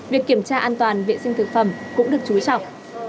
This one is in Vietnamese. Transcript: việc kiểm tra an toàn vệ sinh thực phẩm cũng được chú trọng